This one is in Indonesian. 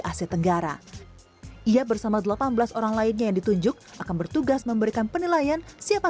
asia tenggara ia bersama delapan belas orang lainnya yang ditunjuk akan bertugas memberikan penilaian siapa